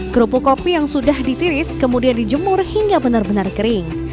kerupuk kopi yang sudah ditiris kemudian dijemur hingga benar benar kering